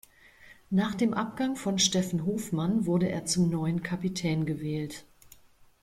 Nach dem Abgang von Steffen Hofmann wurde er zum neuen Kapitän gewählt.